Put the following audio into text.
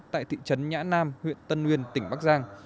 tại thị trấn nhã nam huyện tân nguyên tỉnh bắc giang